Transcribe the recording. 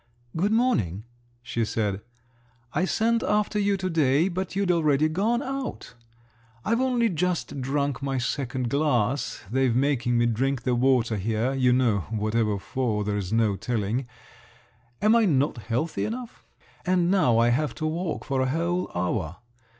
"Good morning," she said. "I sent after you to day, but you'd already gone out. I've only just drunk my second glass—they're making me drink the water here, you know—whatever for, there's no telling … am I not healthy enough? And now I have to walk for a whole hour.